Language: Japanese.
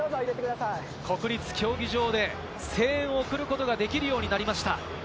国立競技場で声援を送ることができるようになりました。